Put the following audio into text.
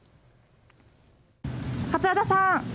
桂田さん